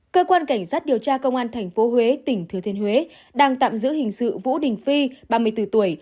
cơ quan cảnh sát điều tra công an tp huế tỉnh thừa thiên huế đang tạm giữ hình sự vũ đình phi ba mươi bốn tuổi